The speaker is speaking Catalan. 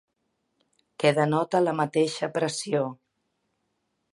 Que denota la mateixa pressió.